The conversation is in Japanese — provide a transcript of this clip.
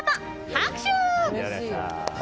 拍手！